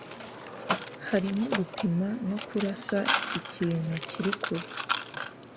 harimo gupima no kurasa ikintu kiri kure.